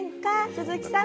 鈴木さん。